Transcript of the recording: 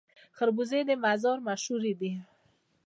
خربوزې د مزار مشهورې دي